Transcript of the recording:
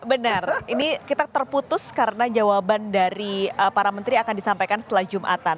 benar ini kita terputus karena jawaban dari para menteri akan disampaikan setelah jumatan